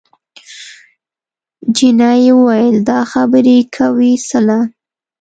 جینۍ وویل دا خبرې کوې څله؟